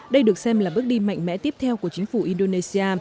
đây được xem là bước đi mạnh mẽ tiếp theo của chính phủ indonesia